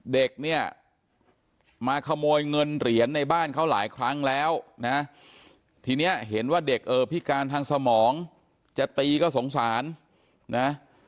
เด็กเนี่ยมาขโมยเงินเหรียญในบ้านเขาหลายครั้งแล้วนะทีนี้เห็นว่าเด็กเออพิการทางสมองจะตีก็สงสารนะ